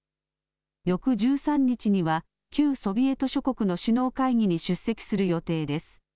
翌１３日には旧ソビエト諸国の首脳会議に出席する予定です。